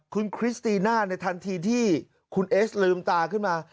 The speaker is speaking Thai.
คุณคริสตีน่าในทันทีที่คุณเอสลืมตาขึ้นมา